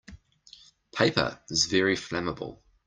Paper is very flammable.